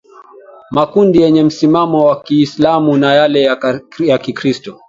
makundi yenye msimamo wa kiislamu na yale ya kikristo